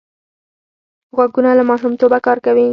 غوږونه له ماشومتوبه کار کوي